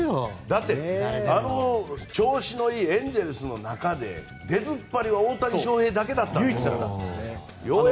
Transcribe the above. あの調子のいいエンゼルスの中で出ずっぱりは大谷翔平だけだったんですから。